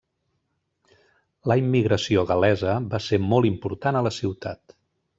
La immigració gal·lesa va ser molt important a la ciutat.